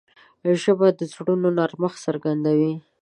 ژبه د زړونو نرمښت څرګندوي